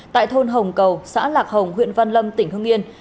tại thôn hồng cầu xã lạc hồng huyện văn lâm tỉnh hương yên